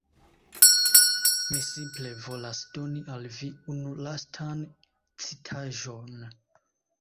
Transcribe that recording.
Mi simple volas doni al vi unu lastan citaĵon